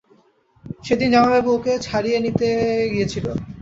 সেদিন জামাইবাবু ওকে ছাড়িয়ে দিতে গিয়েছিল।